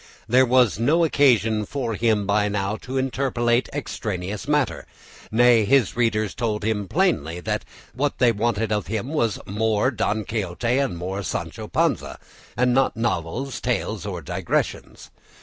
There was no occasion for him now to interpolate extraneous matter; nay, his readers told him plainly that what they wanted of him was more Don Quixote and more Sancho Panza, and not novels, tales, or digressions.